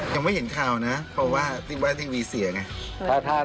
ยังไม่เห็นข่าวนะเพราะว่าที่บราทีวีเสียไง